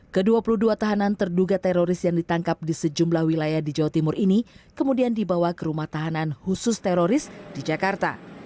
ke dua puluh dua tahanan terduga teroris yang ditangkap di sejumlah wilayah di jawa timur ini kemudian dibawa ke rumah tahanan khusus teroris di jakarta